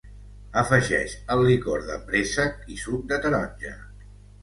Afegeix el licor de préssec i suc de taronja.